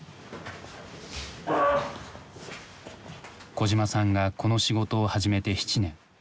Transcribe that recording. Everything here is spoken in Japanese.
小島さんがこの仕事を始めて７年。